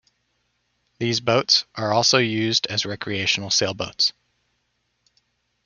These boats are also used as recreational sailboats.